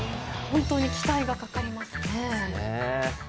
本当に期待がかかりますね。